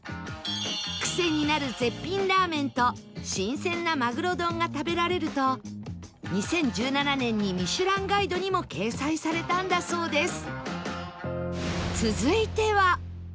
癖になる絶品ラーメンと新鮮なマグロ丼が食べられると２０１７年に『ミシュランガイド』にも掲載されたんだそうです